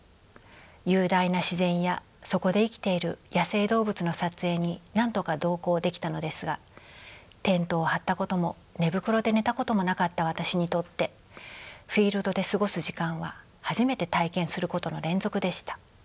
雄大な自然やそこで生きている野生動物の撮影に何度か同行できたのですがテントを張ったことも寝袋で寝たこともなかった私にとってフィールドで過ごす時間は初めて体験することの連続でした。